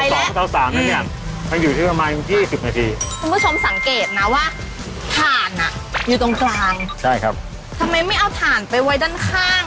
แล้วอันนี้ก็คือมันจะทำให้เนื้อไก่ชำ